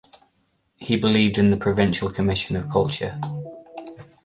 He believed in the Provincial commission of culture.